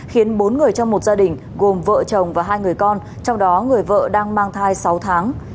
khiến bốn người trong một gia đình gồm vợ chồng và hai người con trong đó người vợ đang mang thai sáu tháng